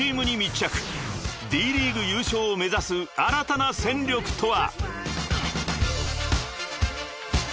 ［Ｄ．ＬＥＡＧＵＥ優勝を目指す新たな戦力とは］